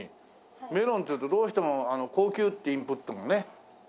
メロンっていうとどうしても高級ってインプットがねあるけども。